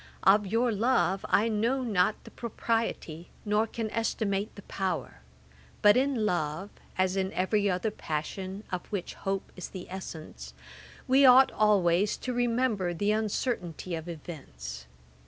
Of your love I know not the propriety, nor can estimate the power; but in love, as in every other passion, of which hope is the essence, we ought always to remember the uncertainty of events.